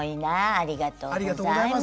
ありがとうございます。